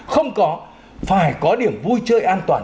không có phải có điểm vui chơi an toàn